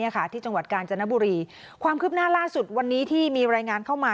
ที่จังหวัดกาญจนบุรีความคืบหน้าล่าสุดวันนี้ที่มีรายงานเข้ามา